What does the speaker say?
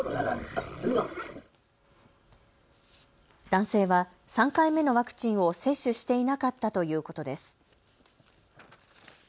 男性は３回目のワクチンを接種していなかったということです。